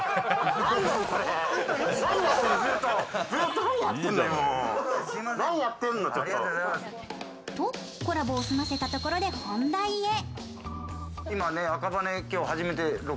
と、コラボを済ませたところで本題へ。